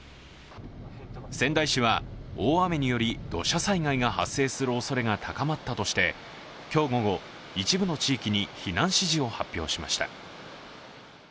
仙台市は大雨により土砂災害が発生するおそれが高まったとして、今日午後、一部の地域に避難指示を発表しました。